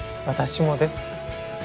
私もです。